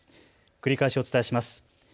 繰り返しお伝えします。